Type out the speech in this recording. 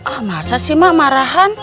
ah masa sih mak marahan